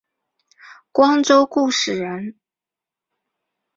光州固始人。